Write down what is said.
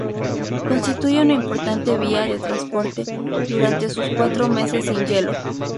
Constituye una importante vía de transporte durante sus cuatro meses sin hielo.